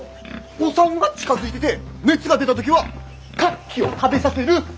お産が近づいてて熱が出た時は柿を食べさせる！